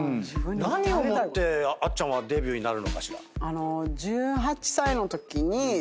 何をもってあっちゃんはデビューになるのかしら？